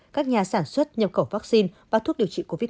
các nhà sản xuất nhập khẩu vaccine và thuốc điều trị covid một mươi chín